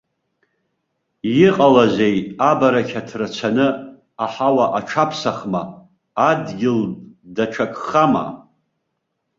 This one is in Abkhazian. Иҟалазеи абарақьаҭра цаны, аҳауа аҽаԥсахма, адгьыл даҽакхама?